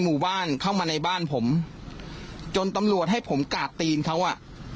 หมู่บ้านเข้ามาในบ้านผมจนตำรวจให้ผมกาดตีนเขาอ่ะ